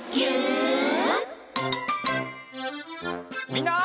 みんな。